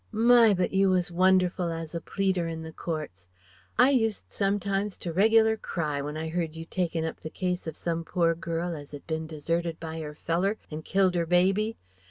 "My! But you was wonderful as a pleader in the courts! I used sometimes to reg'lar cry when I heard you takin' up the case of some poor girl as 'ad bin deserted by 'er feller, and killed 'er baby.